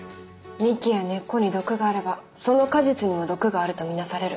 幹や根っこに毒があればその果実にも毒があると見なされる。